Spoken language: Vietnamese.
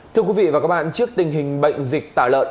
thưa quý vị và các bạn trước tình hình bệnh dịch tả lợn